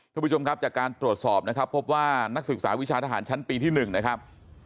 ทุกผู้ชมครับจากการตรวจสอบนะครับพบว่านักศึกษาวิชาทหารชั้นปีที่๑นะครับ